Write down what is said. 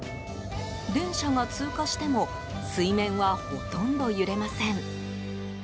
電車が通過しても水面はほとんど揺れません。